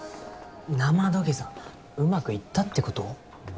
ナマ土下座うまくいったってこと？